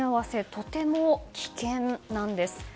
とても危険なんです。